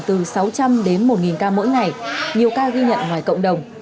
từ sáu trăm linh đến một ca mỗi ngày nhiều ca ghi nhận ngoài cộng đồng